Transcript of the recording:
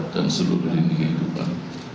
dan seluruh diri kehidupan